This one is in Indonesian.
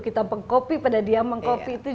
kita pengcopy pada dia mengcopy itu